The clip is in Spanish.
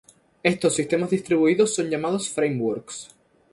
Estos sistemas distribuidos son llamados frameworks.